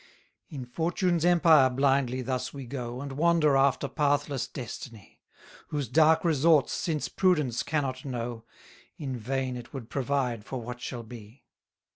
200 In fortune's empire blindly thus we go, And wander after pathless destiny; Whose dark resorts since prudence cannot know, In vain it would provide for what shall be.